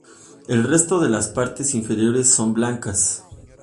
El resto de las partes inferiores son blancas.